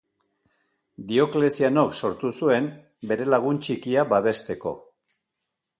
Dioklezianok sortu zuen bere lagun txikia babesteko.